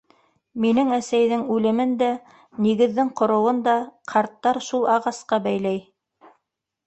Минең әсәйҙең үлемен дә, нигеҙҙең ҡороуын да ҡарттар шул ағасҡа бәйләй.